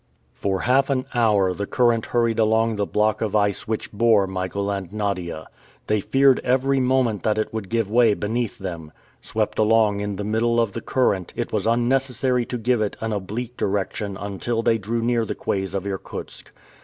For half an hour the current hurried along the block of ice which bore Michael and Nadia. They feared every moment that it would give way beneath them. Swept along in the middle of the current, it was unnecessary to give it an oblique direction until they drew near the quays of Irkutsk.